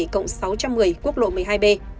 cộng sáu trăm một mươi quốc lộ một mươi hai b